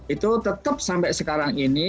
itu tetap sampai sekarang ini